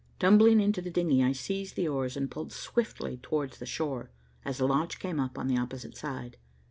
Tumbling into the dingy, I seized the oars and pulled swiftly towards the shore, as the launch came up on the opposite side.